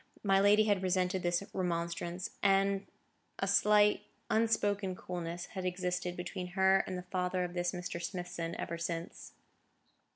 My lady had resented this remonstrance, and a slight, unspoken coolness had existed between her and the father of this Mr. Smithson ever since.